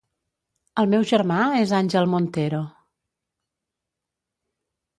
El meu germà és Angel Montero.